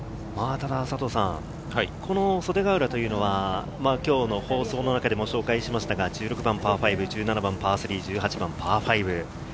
この袖ヶ浦というのは、今日の放送の中でも紹介しましたが、１６番パー５、１７番パー３、１８番パー５。